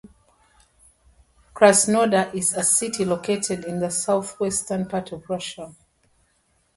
Krasnodar is a city located in the southwestern part of Russia.